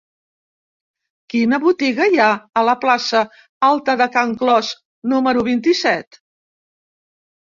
Quina botiga hi ha a la plaça Alta de Can Clos número vint-i-set?